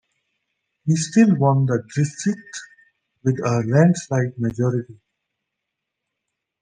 He still won the district with a landslide majority.